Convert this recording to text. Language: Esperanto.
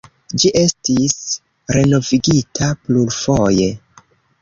Ĝi estis renovigita plurfoje.